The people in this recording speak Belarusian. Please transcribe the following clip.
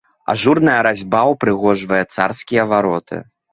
Ажурная разьба ўпрыгожвае царскія вароты.